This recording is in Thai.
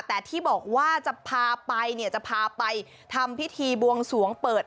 แต่ที่บอกว่าจะพาไปเนี่ยจะพาไปทำพิธีบวงสวงเปิด